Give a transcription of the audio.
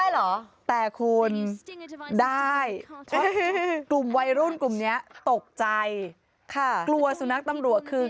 เห่าครูเอง